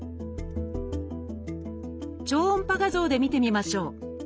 超音波画像で見てみましょう。